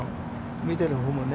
見てるほうもね。